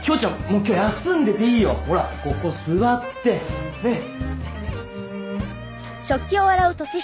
もう今日休んでていいよほらここ座ってねっ。